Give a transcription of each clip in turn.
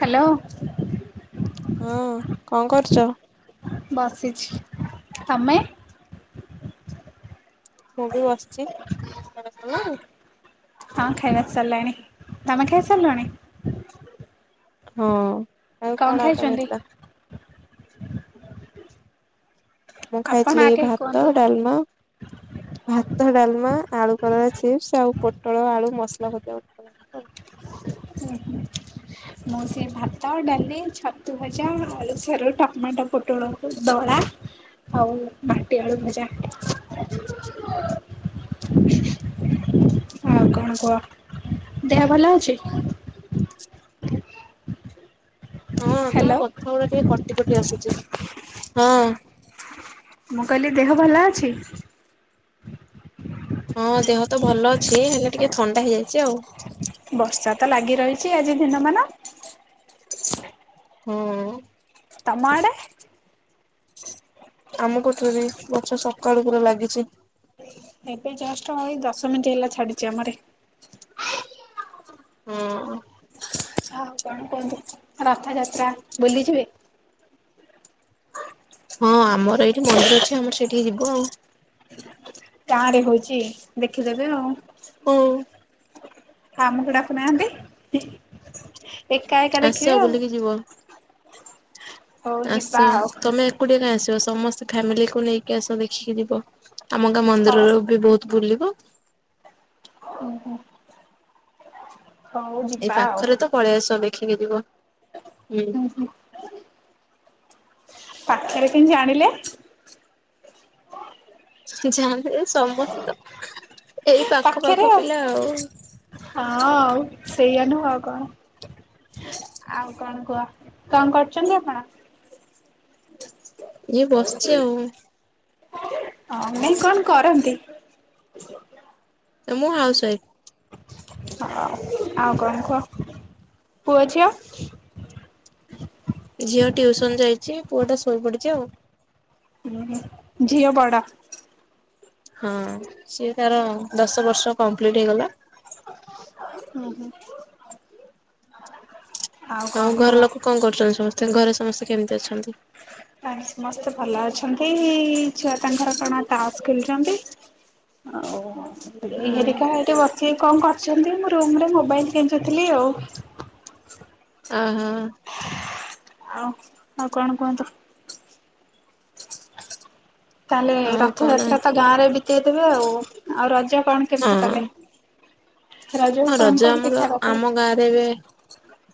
Hello. ହୁଁ କଣ କରୁଛ? ବସିଛି। ତମେ? ମୁଁ ବି ବସିଛି। ଖିଆ ପିଆ ସାରିଲାଣି? ହଁ ଖାଇବା ସରିଲାଣି। ତମେ ଖାଇ ସାରିଲଣି? ହଁ। ଆଉ କଣ ଆଇଟମ୍ ହେଇଥିଲା? ମୁଁ ଆପଣ ଖାଇଥିଲି ଆଗେ ଭାତ କୁହନ୍ତୁ? ଡ଼ାଲମା। ଭାତ ଡ଼ାଲମା ଆଳୁ କଲରା ଚିପ୍ସ ଆଉ ପୋଟଳ ଆଳୁ ମସଲା ଭଜା ହେଇଥିଲା। ଉଁ ହୁଁ। ମୁଁ ବି ସେଇ ଭାତ ଡାଲି ଛତୁ ଭଜା ଆଳୁ ସାରୁ ଟମାଟୋ ପୋଟୋଳ କୁ ଦଳା। ଆଉ ମାଟିି ଆଳୁ ଭଜା। [unintelligible] [inaudible] ଆଉ କଣ କୁହ? ଦେହ ଭଲ ଅଛି? ହଁ। ତମ ହ୍ୟାଲୋ କଥା ଗୁଡ଼ା ଟିକେ କଟି କଟି ଆସୁଚି। ହଁ। ମୁଁ କହିଲି ଦେହ ଭଲ ଅଛି? ହଁ ଦେହ ତ ଭଲ ଅଛି। ହେଲେ ଟିକେ ଥଣ୍ଡା ହେଇ ଯାଇଛି ଆଉ। ବର୍ଷା ତ ଲାଗି ରହିଛି ଆଜି ଦିନ ମାନ। ହୁଁ। ତମ ଆଡ଼େ? ଆମକୁତ୍ରେନିଂଗ ବର୍ଷା ସକାଳୁ ପୁରା ଲାଗଛି। ଏବ ଜଷ୍ଟ୍ନଏଇ ଦଶ ମିନିଟ୍ ହେଲା ଛାଡ଼ିଚି ଆମ ଆଡ଼େ। ହଁ। ହଁ ଆଉ କଣ? କୁହନ୍ତୁ ରଥଯାତ୍ରା ବୁଲି ଯିବେ? ହଁ ଆମର ଏଇଠି ମନ୍ଦିର ଅଛି ଆମର ସେଇଠିକି ଯିବୁ ଆଉ। ଗାଁ ରେ ହୋଉଛି ଦେଖି ଦେବେ ଆଉ। ହଁ। ଆଉ ଆମକୁ ଡାକୁ ନାହାନ୍ତି ଏକା ଏକା ଦେଖିବେ ଆସ ଆଉ। ବୁଲିକି ଯିବ। ହଉ ଆସ ଯିବା ଆଉ ତମେ ଏକୁଟିଆ କାଇଁ ଆସିବ ସମସ୍ତେ ଫ୍ୟାମିଲିକୁ ନେଇକି ଆସ ଦେଖିକି ଯିବ। ଆମ ଗାଁ ହଉ ମନ୍ଦିରର ବି ବୋହୁତ୍ ବୁଲିବ। ଉଁ ହୁଁ। ହଉ ଏଇ ଯିବା ଆଉ। ପାଖରେ ତ ପଳେଇ ଆସ ଦେଖିକି ଯିବ ହୁଁ। ହୁଁ ହୁଁ। ପାଖେରେ କେମତି ଜାଣିଲେ? ଜାଣିଲି ସମସ୍ତେ ତ ଏଇ ପାଖ ପାଖ ପିଲା ଆଉ। ହଁ ଆଉ ସେୟା ନୁହଁ ଆଉ କଣ? ଆଉ କଣ କୁହ କଣ କରୁଚନ୍ତି ଆପଣ? ଇଏ ବସିଛି ଆଉ ଅ ନାଇଁ କଣ କରନ୍ତି? ମୁଁ ହାଉସ୍ ୱାଇଫ୍। ହଁ ଆଉ କଣ କୁହ ପୁଅ ଝିଅ? ଝିଅ ଟିୟୁସନ୍ ଯାଇଛି ପୁଅ ଟା ଶୋଇ ପଡ଼ିଛି ଆଉ। ହୁଁ ହୁଁ ଝିଅ ବଡ଼। ହଁ ସିଏ ତାର ଦଶ ବର୍ଷ କମ୍ପ୍ଲିଟ୍ ହେଇଗଲା। ହଁ ହୁଁ। ଆଉ କଣ କୁହ? ଘର ଲୋକ କଣ କରୁଛନ୍ତି ସମସ୍ତେ ଘରେ ସମସ୍ତେ କେମତି ଅଛନ୍ତି? ଆଉ ସମସ୍ତେ ଭଲ ଅଛନ୍ତି ଛୁଆ ତାଙ୍କର କଣ ଟାସ୍ ଖେଳୁଚନ୍ତି। ଆଉ ଅ ଦେଇ ହେରିକା ଏଠି ବସିକି କଣ କରୁଛନ୍ତି ମୁଁ ରୁମ୍ ରେ ମୋବାଇଲ୍ କେଞ୍ଚୁଥିଲି ଆଉ। ଅ ହଁ। ଆଉ ଆଉ କଣ କୁହନ୍ତୁ? ତାଲେ ଆଉ ରଥ କଣ ଯାତ୍ରା ତ ଗାଁ ରେ ବିତେଇ ଦେବେ ଆଉ ଆଉ ରଜ କଣ ହଁ କେମିତି କଲେ? ରଜକୁ ହଁ କଣ ରଜ କଣ ଆମର ପିଠା କରିଥିଲେ ଆମ ଗାଁରେ ଏବେ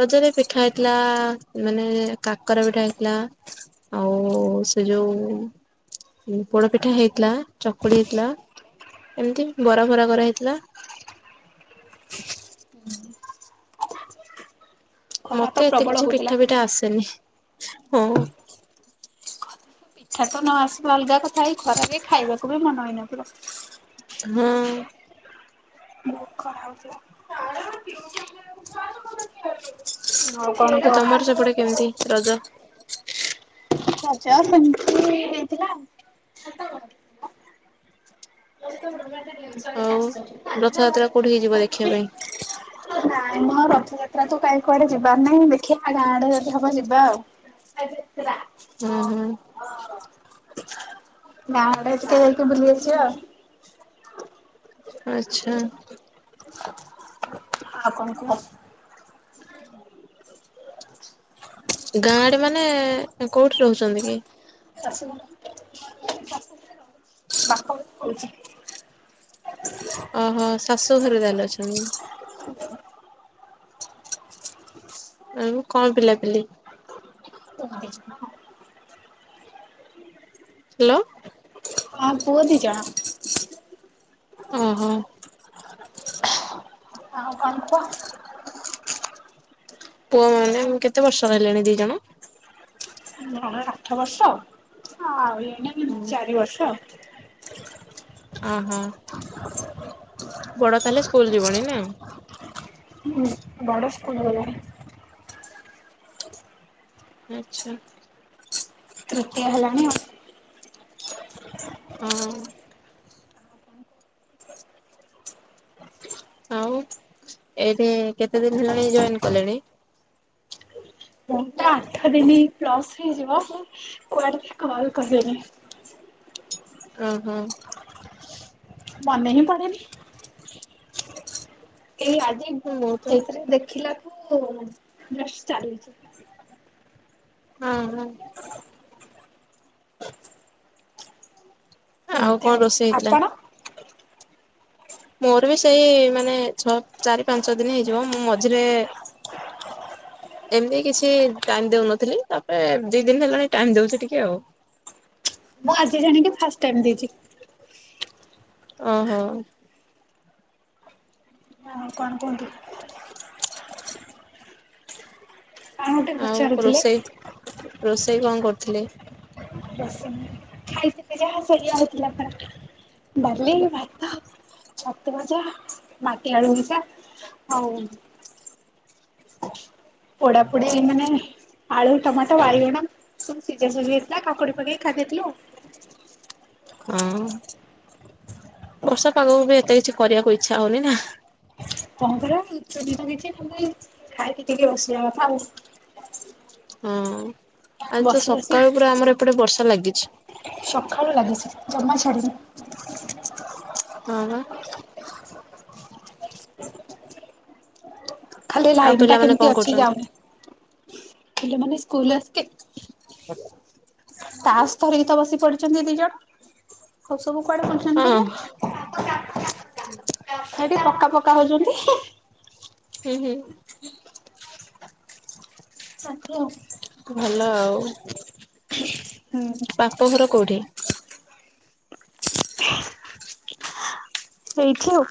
ରଜରେ ପିଠା ହେଇଥିଲା ମାନେ କାକରା ପିଠା ହେଇଥିଲା। ଆଉ ସେ ଯୋଉ ପୋଡ ପିଠା ହେଇଥିଲା ଚକୁଳି ହେଇଥିଲା। ଏମତି ବରା ଫରା କରା ହେଇଥିଲା। ଖରା ତ ମତେ ଏତେ ପ୍ରବଳ କିଛି ହଉଥିଲା। ପିଠା ଫିଠା ଆସେନି ହଁ। ଛାତ ନ ଆସିବା ଅଲଗା କଥା ଏଇ ଖରାରେ ଖାଇବାକୁ ବି ମନେ ହେଇନଥିବ। ହଁ। [inaudible] ହଉ। ତ ତମର ସେପଟେ କେମତି ରଜ? ରଜ ସେମତୀ ହେଇଥିଲା ଆଉ। [inaudible] ନାଇଁ ମ ରଥଯାତ୍ରା ଆଉ ରଥଯାତ୍ରା କୋଉଠିକି ଯିବ ଦେଖିବା ପାଇଁ ତ କାଇଁ କୁଆଡେ ଯିବାର ନାହିଁ ଦେଖିବା ଗାଁ ଆଡେ ଯଦି ହବ ଯିବା ଆଉ। ଏଇଠି ଥିଲା। ହଁ ହଁ। ଗାଁ ଆଡେ ଟିକେ ଯାଇକି ବୁଲି ଆସିବ। [inaudible] ଆଚ୍ଛା ଆଉ କଣ କୁହ। ଗାଁ ଆଡେ ମାନେ କୋଉଠି ରହୁଚନ୍ତି କି? [unintelligible] [inaudible] ଓହୋ ଶାଶୁ ଘରେ ତାହାଲେ ଅଛନ୍ତି। ଆଉ କଣ ପିଲାପିଲି? [unintelligible] ହାଲୋ। ହଁ ପୁଅ ଦି ଜଣ। ଓ ହୋ। ଆଉ କଣ କୁହ। ପୁଅ ମ୍ୟାଡମ କେତେ ବର୍ଷର ହେଲେଣି ଦି ଜଣ? ଜଣେ ଆଠ ବର୍ଷ ଆଉ ଜଣେ ଚାରି ବର୍ଷ। ଓ ହଁ। ବଡ ତାହେଲେ ସ୍କୁଲ ଯିବଣି ନା। ହୁଁ ବଡ ସ୍କୁଲ ଗଲାଣି। ଆଚ୍ଛା। ତୃତୀୟ ହେଲାଣି ଆଉ। ହଁ। ଆଉ ଏଇଠି କେତେ ଦିନ ହେଲାଣି ଜଏନ କଲେଣି? [unintelligible] ଆଠ ଦିନ ପ୍ଲସ୍ ହେଇଯିବ ମୁଁ କୁଆଡେ ବି କଲ୍ କରିନି। ଉଁ ହୁଁ। ମନେ ହିଁ ପଡେନି। ଏଇ ଆଜି ମୁଁ ତ ଏଇଥିରେ ଦେଖିଲାଠୁ ଜଷ୍ଟ ଚାଲିଚି। ହଁ ହଁ। ଏମତି କଣ ଆଉ ରୋଷେଇ ହେଇଥିଲା? ଆପଣ? ମୋର ବି ସେଇ ମାନେ ଛ, ଚାରି, ପାଞ୍ଚ ଦିନ ହେଇଯିବ ମୁଁ ମଝିରେ ଏମିତି କିଛି ଟାଇମ୍ ଦୋଉନଥିଲି ତାପରେ ଦିଇ ଦିନି ହେଲାଣି ଟାଇମ୍ ଦୋଉଚି ଟିକେ ଆଉ। ମୁଁ ଆଜି ଜାଣିକି ଫାଷ୍ଟ ଟାଇମ୍ ଦେଇଚି। ଓ ହୋ। ଆଉ କଣ କୁହନ୍ତୁ। [unintelligible] ଆଉ ପଚାରୁଥିଲେ। ରୋଷେଇ ରୋଷେଇ କଣ କରୁଥିଲେ? ରୋଷେଇ ଖାଇକିରି ଯାହା ଶୋଇ ଆଉଥିଲା [unintelligible] ତାହା। ଡାଲି, ଭାତ, ଛତୁଭଜା ମାଟି ଆଳୁଭଜା। ଆଉ ପୋଡା ପୋଡି ମାନେ ଆଳୁ ଟମାଟ, ବାଇଗଣ ଗଛ ସବୁ ସିଜାସୁଝି ହେଇଥିଲା କାକୁଡି ପକେଇ ଖାଇଦେଇଥିଲୁ। ହଁ ବର୍ଷା ପାାଗକୁ ବି ଏତେ କିଛି କରିବାକୁ ଇଚ୍ଛା ହୋଉନି ନା। ହଁ ପରା [unintelligible] କିଛି ଖାଲି ଖାଇକି ଟିକେ ବସିବା କଥା ଆଉ। ହଁ ଆଜି ତ ବସି ସକାଳୁ ପୁରା ଆମର ଏପଟେ ବର୍ଷା ଲାଗିଛି। ସଖାଳୁ ଲାଗିଚି ଜମା ଛାଡିନି। ହଁ। ଖାଲି ଆଉ ଲାଇନ ଟା ପିଲାମାନେ କେମିତି କଣ ଅଛି କରୁଛନ୍ତି? ଯାଉନି। [unintelligible] ହ। ତାସ ଧରିକି ତ ବସି ପଡିଚନ୍ତି ଦି ଜଣ ହଉ ସବୁ କୁଆଡେ ବୁଲୁଚନ୍ତି ହଁ କେଇଜାଣି। ହେଇଠି ପକ୍କା ପକ୍କା ହଉଚନ୍ତି। ହୁଁ ହୁଁ। [unintelligible] ଭଲ ଆଉ। ହୁଁ ବାପଘର କୋଉଠି? ଏଇଠି ଆଉ।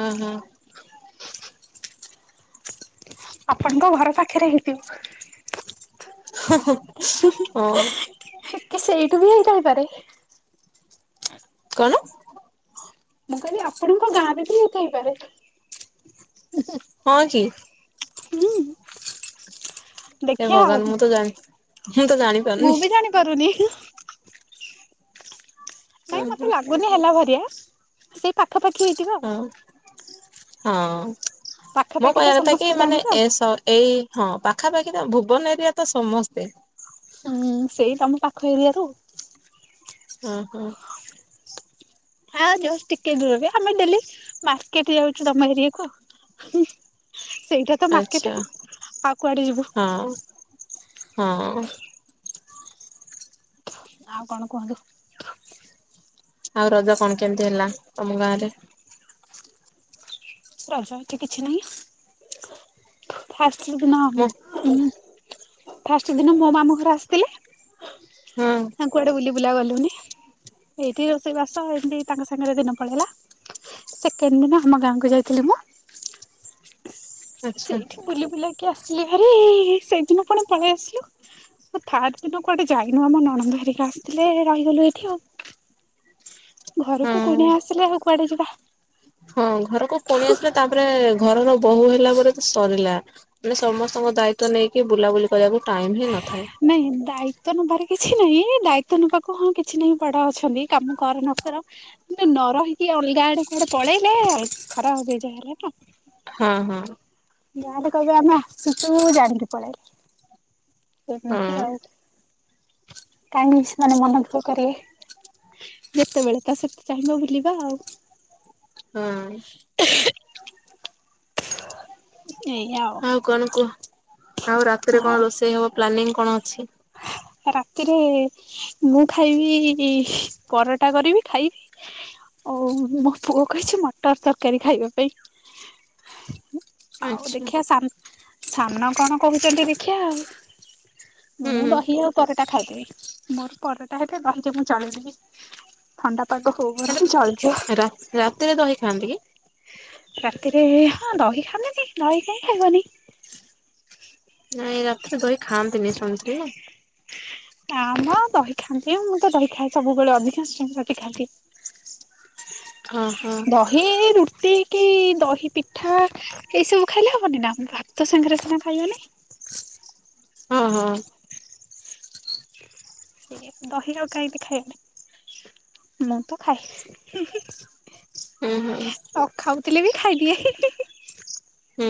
ଉଁ ହୁଁ। ଆପଣଙ୍କ ଘର ପାଖରେ ହେଇଥିବ। ହଁ। ସେଇଠୁ ବି ହେଇ ଥାଇପାରେ। କଣ? ମୁଁ କହିଲି ଆପଣଙ୍କ ଗାଁରେ ବି ହେଇଥାଇପାରେ। ହଁ କି। ହୁଁ ହେ ଦେଖିବା ଆଉ ଭଗବାନ ମୁଁ ତ ଜା ମୁଁ ତ ଜାଣିବି ମୁଁ ବି ଜାଣି ପାରୁନି। ଉଁ ହୁଁ। ଗୁନି ହେଲା ଭରିଆ ସେଇ ପାଖାପାଖି ହେଇଥିବ ଆଉ। ହଁ ହଁ ମୋ ପାଖାପାଖି ତ କହିବା କଥା କି ସମସ୍ତେ ମାନେ ଜାଣିବେ ଆଉ। ଏସ ଏଇ ହଁ ପାଖାପାଖି ତ ଭୁବନ ଏରିଆ ତ ସମସ୍ତେ। ଉଁ ସେଇ ତମ ପାଖ ଏରିଆରୁ। ହଁ ହଁ। ହଁ ଜସ ଟିକେ ଦୂରରେ ଆମେ ଡେଲି ମାର୍କେଟ ଯାଉଚୁ ତମ ଏରିଆକୁ। ସେଇଟା ତ ମାର୍କେଟ ଆଚ୍ଛା ଆଉ କୁଆଡେ ଯିବୁ। ହଁ। ହଁ। ଆଉ କଣ କୁହନ୍ତୁ। ଆଉ ରଜ କଣ କେମିତି ହେଲା ତମ ଗାଁ ରେ? ରଜ ଏଠି କିଛି ନାହିଁ ଫାସ ଦିନ ଆ ମୋ ଉ ଫାଷ୍ଟ ଦିନ ମୋ ମାମୁ ଘରେ ଆସିଥିଲେ। ହଁ ହ କୁଆଡେ ବୁଲି ବୁଲା ଗଲୁନି। ଏଇଠି ରୋଷେଇ ବାସ ଏମିତି ତାଙ୍କ ସାଙ୍ଗରେ ଦିନ ପଳେଇଲା। ସେକେଣ୍ଡ ଦିନ ଆମ ଗାଁକୁ ଯାଇଥିଲି ମୁଁ। ଆଚ୍ଛା ଏଇଠି ବୁଲି ବୁଲାକି ଆସିଲି ହାରି ସେଇଦିନ ପୁଣି ପଳେଇ ଆସିଲୁ। ଥାର୍ ଦିନ କୁଆଡେ ଯାଇନୁ ଆମ ନଣନ୍ଦ ହରିକା ଆସିଥିଲେ ରହିଗଲୁ ଏଇଠି ଆଉ। ଘରକୁ ହଁ କୁଣିଆ ଆସିଲେ ଅଉ କୁଆଡେ ଯିବା। ହଁ ଘରକୁ ପୁଣି ଆସିଲେ ତାପରେ ଘରର ବୋହୂ ହେଲା ପରେ ତ ସରିଲା। ମାନେ ସମସ୍ତଙ୍କ ଦାୟିତ୍ବ ନେଇକି ବୁଲାବୁଲି କରିବାକୁ ଟାଇମ ହିଁ ନଥାଏ। ନାଇଁ ଦାୟିତ୍ବ ନବାରେ କିଛି ନାଇଁ ଦାୟିତ୍ବ ନବାକୁ ହଁ କିଛି ନାଇଁ ପଡା ଅଛନ୍ତି କାମ କର ନ କର କିନ୍ତୁ ନ ରହିକି ଅଲଗା ଆଡେ କୁଆଡେ ପଳେଇଲେ ଆଉ ଖରାପ ଭାବିବେ ଯା ହେଲେ ତ। ହଁ ହଁ। ଯା ହେଲେ କହିବେ ଆମେ ଆସୁଚୁ ଜାଣିକି ପଳେଇଲେ। [unintelligible] ହଁ କାହିଁକି ସେମାନେ ମନ ଦୁଃଖ କରିବେ। ଯେତେବେଳେ ତ ସେତେ ଚାହିଁବ ବୁଲିବା ଆଉ। ହଁ। [inaudible] ଆଉ। ଆଉ ରାତିରେ ଆଉ କଣ ରୋଷେଇ ହବ ପ୍ଲାନିଂ କଣ ଅଛି? ରାତିରେ ମୁଁ ଖାଇବି ପରଟା କରିବି ଖାଇବି। ଆଉ ମୋ ପୁଅ କହିଛି ମଟର ତରକାରୀ ଖାଇବା ପାଇଁ। ଆଉ ଆଚ୍ଛା ଦେଖିିବା ସାନ୍ ସାନ କଣ କରୁଛନ୍ତି ଦେଖିବା ଆଉ ହୁଁ ମୁଁ ହୁଁ। ଦହି ଆଉ ପରଟା ଖାଇଦେବି ମୋର ପରଟା ହେଲେ ଦହି ଯୋଗୁଁ ମୁଁ ଚଳିଯିବି। ଥଣ୍ଡା ପାଗ ହଉ ହେଲେ ବରଂ ଚଳିଯିବ। ରା ରାତିରେ ଦହି ଖାଆନ୍ତି କି? ରାତିରେ ହଁ ଦହି ଖାଆନ୍ତିନି ଦହି କାଇଁ ଖାଇବନି? ନାଇଁ ରାତିରେ ଦହି ଖାଆନ୍ତିନି ଶୁଣିଥିଲି ନା। ଆମ ଦହି ଖାନ୍ତି ମୁଁ ତ ଦହି ଖାଏ ସବୁବେଳେ ଅଧିକାଂଶ ରୁଟି ଖାଇଦିଏ। ହଁ ହଁ। ଦହି ରୁଟି କି ଦହି ପିଠା ଏଇସବୁ ଖାଇଲେ ହବନି ନା ଭାତ ସାଙ୍ଗରେ ସିନା ଖାଇବନି? ହଁ ହଁ। ସେ ଦହିରେ ଆଉ କାଇଁକି ଖାଇବ? ମୁଁ ତ ଖାଏ। [unintelligible] ହୁଁ ହୁଁ ନ ଖାଉଥିଲେ ବି ଖାଇଦିଏ। [unintelligible] ହୁଁ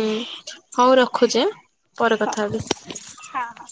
ହଉ ରଖୁଛି ଆଁ? ପରେ କଥା ହଁ ହେବି। ହାଁ ହାଁ।